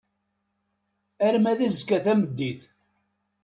Arma d azekka tameddit.